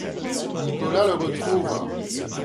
Nicolas le retrouve.